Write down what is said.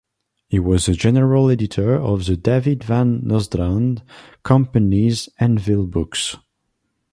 He was the general editor of the David Van Nostrand Company's Anvil Books.